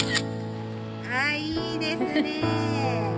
あいいですね。